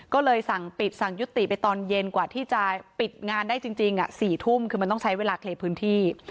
ก็เลยสั่งปิดสั่งยุติไปตอนเย็นกว่าที่จะปิดงานได้จริง๔ทุ่มคือมันต้องใช้เวลาเคลียร์พื้นที่